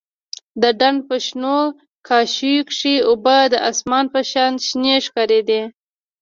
د ډنډ په شنو کاشيو کښې اوبه د اسمان په شان شنې ښکارېدې.